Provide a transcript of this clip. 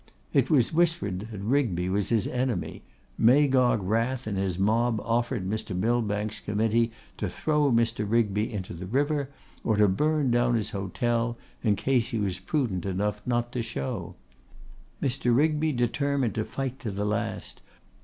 It was whispered that Rigby was his enemy. Magog Wrath and his mob offered Mr. Millbank's committee to throw Mr. Rigby into the river, or to burn down his hotel, in case he was prudent enough not to show. Mr. Rigby determined to fight to the last.